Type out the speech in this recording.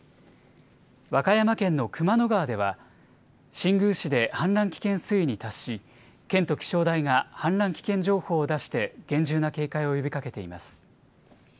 和歌山県の熊野川では、新宮市で氾濫危険水位に達し、県と気象台が氾濫危険情報を出して、厳重な警戒を呼びかけています。